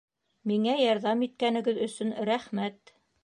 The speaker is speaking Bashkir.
Миңә ярҙам иткәнегеҙ өсөн рәхмәт